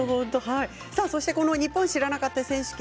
「ニッポン知らなかった選手権」